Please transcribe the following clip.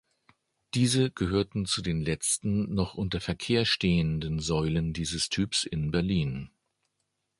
Diese gehörten zu den letzten noch unter Verkehr stehenden Säulen dieses Typs in Berlin.